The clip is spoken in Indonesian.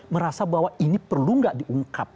merasa bahwa ini perlu nggak diungkap